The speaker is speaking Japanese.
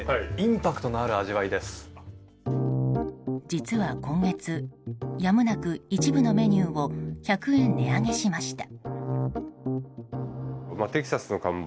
実は、今月やむなく一部のメニューを１００円値上げしました。